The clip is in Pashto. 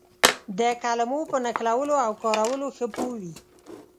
د کلمو په نښلولو او کارولو ښه پوه وي.